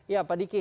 ya pak diki